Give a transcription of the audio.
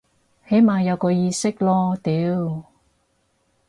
起碼有個意識囉屌